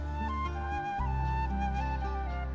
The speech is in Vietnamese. và phát triển